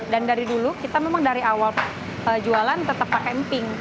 dan dari dulu kita memang dari awal jualan tetap pakai emping